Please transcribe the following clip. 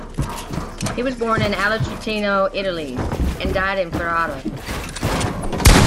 He was born in Ala, Trentino, Italy and died in Ferrara.